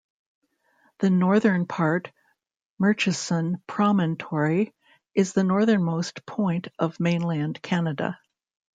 The northern part, Murchison Promontory, is the northernmost point of mainland Canada.